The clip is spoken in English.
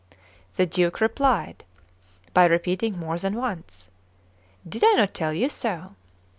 The Duke replied by repeating more than once: "Did I not tell you so?"